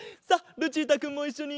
ルチータくんもいっしょに！